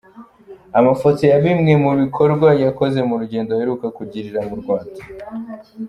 Amafoto ya bimwe mu bikorwa yakoze mu rugendo aheruka kugirira mu Rwanda